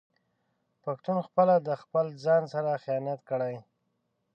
پښتون خپله د خپل ځان سره خيانت کړي